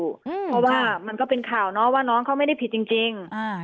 เพราะว่ามันก็เป็นข่าวเนาะว่าน้องเขาไม่ได้ผิดจริง